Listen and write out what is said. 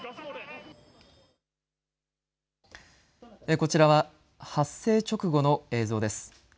こちらは発生直後の映像です。